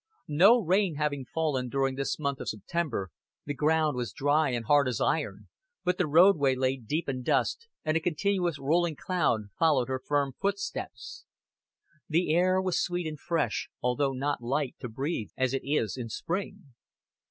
No rain having fallen during this month of September, the ground was dry and hard as iron, but the roadway lay deep in dust, and a continuous rolling cloud followed her firm footsteps. The air was sweet and fresh, although not light to breathe as it is in spring.